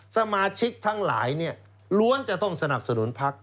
สมาชิกทั้งหลายเนี่ยล้วนจะต้องสนับสนุนภักดิ์